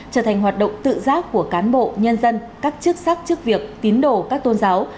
trở thành hoạt động tự giác của cán bộ nhân dân các chức sắc chức việc tín đồ các tôn giáo